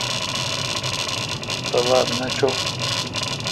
تباتھ نہ چو۔